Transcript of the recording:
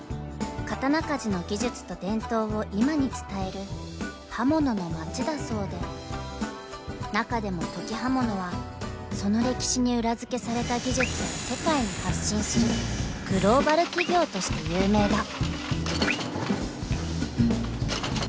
刀鍛冶の技術と伝統を今に伝える刃物の町だそうで中でも土岐刃物はその歴史に裏付けされた技術を世界に発信するグローバル企業として有名だ］